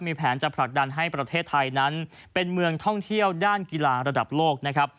มีแผนจะผลักดันให้ประเทศไทยนั้นเป็นเมืองท่องเที่ยวด้านกีฬาระดับโลกนะครับ